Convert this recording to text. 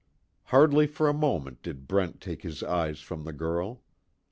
Hardly for a moment did Brent take his eyes from the girl.